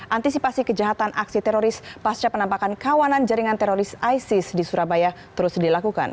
antisipasi kejahatan aksi teroris pasca penampakan kawanan jaringan teroris isis di surabaya terus dilakukan